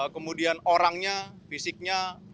kemudian orangnya fisiknya